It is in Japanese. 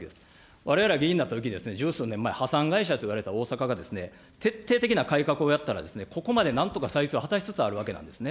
われわれが議員になったとき、十数年前、破産会社といわれた大阪が、徹底的な改革をやったら、ここまでなんとか再生を果たしつつあるわけですね。